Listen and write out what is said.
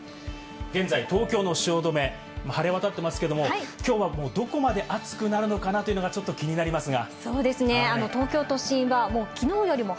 現在、東京の汐留、晴れわたってますけれども、きょうはもうどこまで暑くなるのかなというのがちょっと気になりますが。